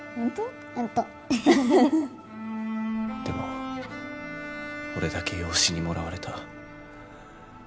でも俺だけ養子にもらわれた。